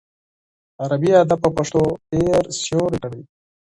عربي ادب په پښتو ډېر سیوری کړی دی.